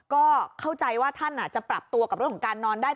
ก็เข้าใจว่าท่านอาจจะปรับตัวกับเรื่องของการนอนได้